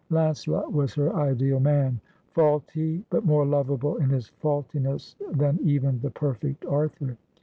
Launcelot was her ideal man — faulty, but more lovable in his f aultiness than even the perfect Arthur.